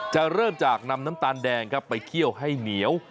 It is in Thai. จะเริ่มจากนำน้ำตาลแดงครับไปเคี่ยวให้เหนียว